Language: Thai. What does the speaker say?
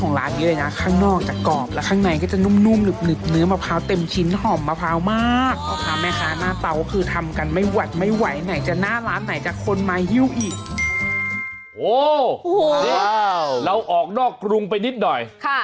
โอ้โฮนี่เราออกนอกกรุงไปนิดหน่อยค่ะปริมณฑลค่ะ